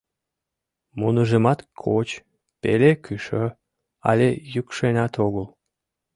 Муныжымат коч, пеле кӱшӧ, але йӱкшенат огыл.